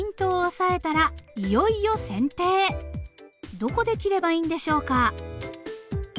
どこで切ればいいんでしょうか？